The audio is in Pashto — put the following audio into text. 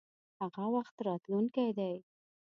هغه وخت راتلونکی دی.